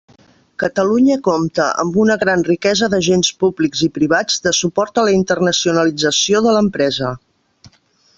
Catalunya compta amb una gran riquesa d'agents públics i privats de suport a la internacionalització de l'empresa.